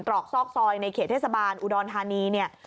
ตรอกซอกซอยในเขตเทศบาลอุดรธานีเนี่ย